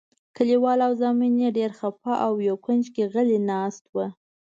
کلیوال او زامن یې ډېر خپه او یو کونج کې غلي ناست وو.